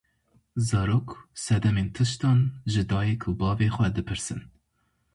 Zarok sedemên tiştan ji dayik û bavê xwe dipirsin.